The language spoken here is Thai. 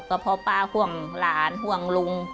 ก็เพราะป้าห่วงหลานห่วงลุง